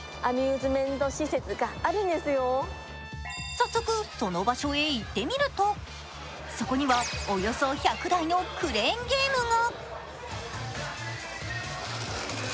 早速、その場所へ行ってみるとそこには、およそ１００台のクレーンゲームが。